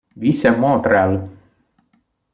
Visse a Montréal.